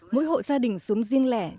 mỗi hộ gia đình xuống riêng lẻ